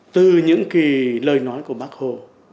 từ những lời nói của bác hồ